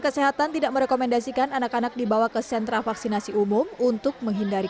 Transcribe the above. kesehatan tidak merekomendasikan anak anak dibawa ke sentra vaksinasi umum untuk menghindari